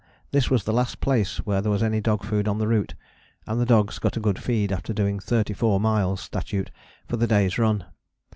This was the last place where there was any dog food on the route, and the dogs got a good feed after doing thirty four miles (statute) for the day's run.